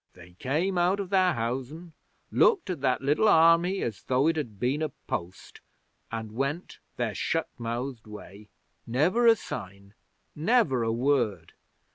They came out of their housen, looked at that little army as though it had been a post, and went their shut mouthed way. Never a sign! Never a word!